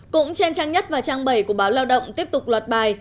cũng trên trang nhất và trang bảy của báo lao động tiếp tục loạt bài